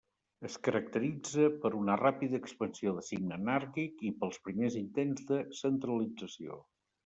Es caracteritza per una ràpida expansió de signe anàrquic, i pels primers intents de centralització.